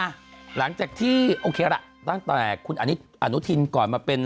หลังจากที่โอเคล่ะตั้งแต่คุณอนุทินก่อนมาเป็น